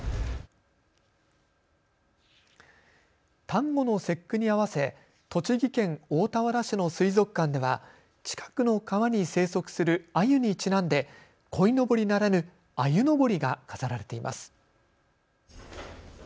端午の節句に合わせ栃木県大田原市の水族館では近くの川に生息するアユにちなんでこいのぼりならぬあゆのぼりが飾られています。